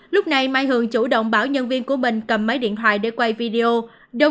lúc này mai hường chủ động bảo nhân viên của mình cầm máy điện thoại để quay video